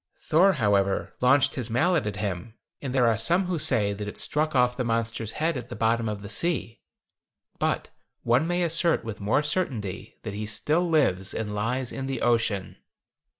Thor, however, launched his mallet at him, and there are some who say that it struck off the monster's head at the bottom of the sea, but one may assert with more certainty that he still lives and lies in the ocean.